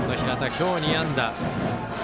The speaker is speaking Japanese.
今日２安打。